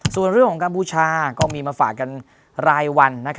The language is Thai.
ส่วนเรื่องของการบูชาก็มีมาฝากกันรายวัน